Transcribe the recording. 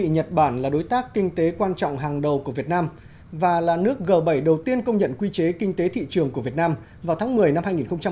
nhật bản là đối tác kinh tế quan trọng hàng đầu của việt nam và là nước g bảy đầu tiên công nhận quy chế kinh tế thị trường của việt nam vào tháng một mươi năm hai nghìn một mươi chín